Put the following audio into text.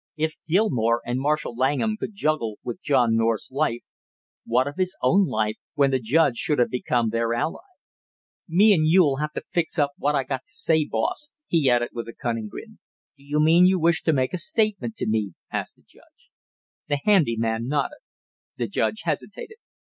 If Gilmore and Marshall Langham could juggle with John North's life, what of his own life when the judge should have become their ally! "Me and you'll have to fix up what I got to say, boss!" he added with a cunning grin. "Do you mean you wish to make a statement to me?" asked the judge. The handy man nodded. The judge hesitated.